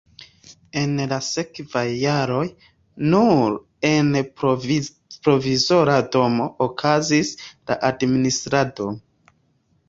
En la sekvaj jaroj nur en provizora domo okazis la administrado.